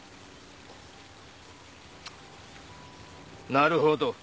なるほど。